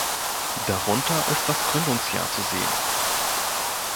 Darunter ist das Gründungsjahr zu sehen.